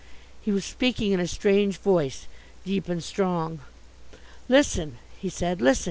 He was speaking in a strange voice, deep and strong. "Listen," he said, "listen.